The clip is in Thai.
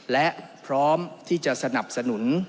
และพร้อมที่จะสนับสนุน